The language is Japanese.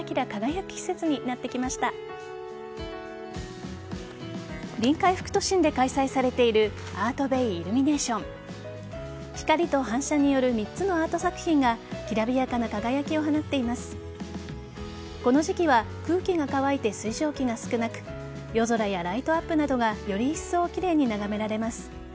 この時期は空気が乾いて水蒸気が少なく夜空やライトアップなどがよりいっそう奇麗に眺められます。